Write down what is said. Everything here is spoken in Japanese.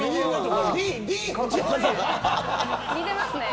似てますね。